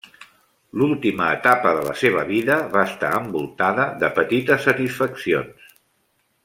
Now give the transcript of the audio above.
L'última etapa de la seva vida va estar envoltada de petites satisfaccions.